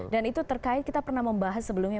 dan itu terkait kita pernah membahas sebelumnya